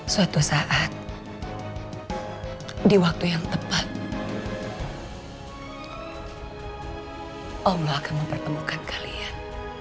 suatu saat di waktu yang tepat allah akan mempertemukan kalian